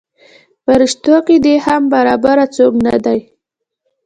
پریشتو کې دې هم برابر څوک نه دی.